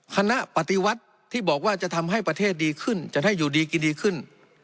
คณะปฏิวัติที่บอกว่าจะทำให้ประเทศดีขึ้นจะได้อยู่ดีกินดีขึ้น